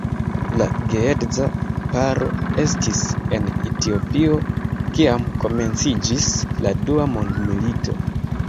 La geedza paro estis en Etiopio, kiam komenciĝis la dua mondmilito.